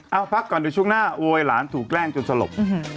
เอาพักก่อนเดี๋ยวช่วงหน้าโวยหลานถูกแกล้งจนสลบ